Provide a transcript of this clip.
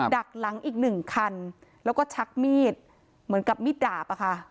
ดักหลังอีกหนึ่งคันแล้วก็ชักมีดเหมือนกับมีดดาบอะค่ะ